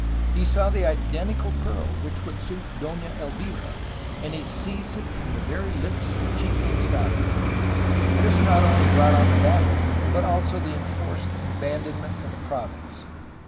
He saw the identical pearl which would suit Dona Elvira, and seized it from the very lips of a chieftain's daughter. This not only brought on the battle but also the enforced abandonment of the province.